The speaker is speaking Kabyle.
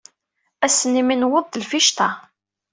Ass-nni mi newweḍ d lficṭa.